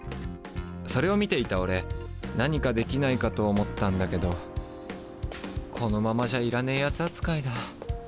それを見ていたオレ何かできないかと思ったんだけどこのままじゃいらねえ奴扱いだ。